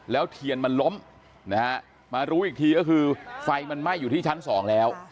แล้วเทียนมันล้มนะฮะมารู้อีกทีก็คือไฟมันไหม้อยู่ที่ชั้นสองแล้ว